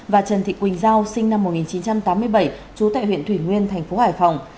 và trần thị quỳnh giao sinh năm một nghìn chín trăm tám mươi bảy trú tại huyện thủy nguyên thành phố hải phòng